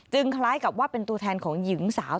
คล้ายกับว่าเป็นตัวแทนของหญิงสาว